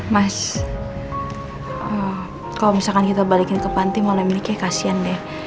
mas kalau misalkan kita balikin ke panti malem ini kaya kasian deh